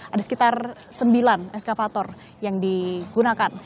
ada sekitar sembilan eskavator yang digunakan